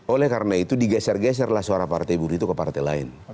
oleh karena itu digeser geserlah suara partai buruh itu ke partai lain